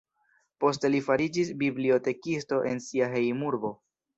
Poste li fariĝis bibliotekisto en sia hejmurbo.